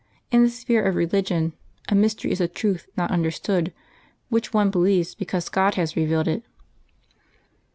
In the sphere of religion a mystery is a truth not understood, which one believes because God has re vealed it.